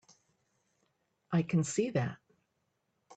I can see that.